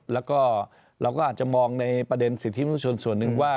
แล้วก็เราก็อาจจะมองในประเด็นสิทธิมนุชนส่วนหนึ่งว่า